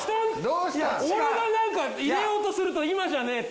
俺がなんか入れようとすると今じゃねえって。